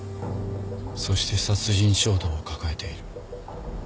そして殺人衝動を抱えている。